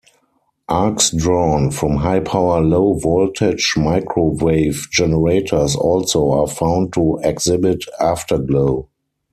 Arcs drawn from high-power low-voltage microwave generators also are found to exhibit afterglow.